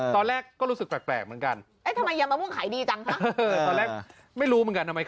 ตอนแรกก็รู้สึกแตกแปลกเมื่อกัน